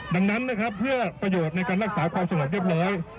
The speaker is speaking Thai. ดังนั้นนะครับเพื่อประโยชน์ในการรักษาความสงบเรียบร้อย